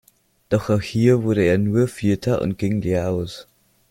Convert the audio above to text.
Doch auch hier wurde er nur Vierter und ging leer aus.